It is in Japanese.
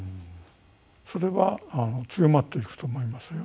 それは強まっていくと思いますよ。